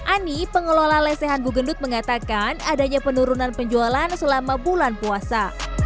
ani pengelola lesehan bugendut mengatakan adanya penurunan penjualan selama bulan puasa